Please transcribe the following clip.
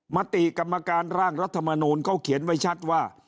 มติกรรมการร่างรัฐมนูลเขาเขียนไว้ชัดว่า